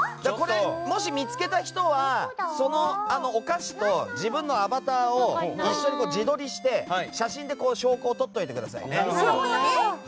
もし見つけた人はそのお菓子と自分のアバターを一緒に自撮りして写真で証拠をとってください。